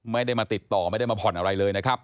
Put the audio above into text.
ไม่ได้มาติดต่อไม่ได้มาผ่อนอะไรเลยนะครับ